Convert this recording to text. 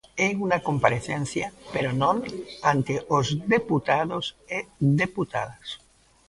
É unha comparecencia pero non ante os deputados e deputadas.